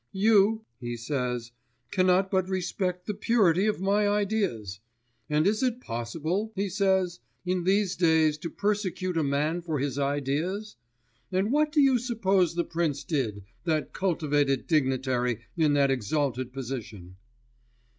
You," he says, "cannot but respect the purity of my ideas! And is it possible," he says, "in these days to persecute a man for his ideas?" And what do you suppose the prince did, that cultivated dignitary in that exalted position?